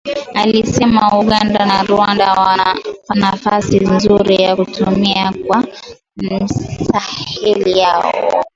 alisema Uganda na Rwanda wana nafasi nzuri ya kutumia kwa maslahi yao